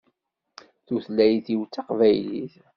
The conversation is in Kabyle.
Tutlayt-iw d taqbaylit.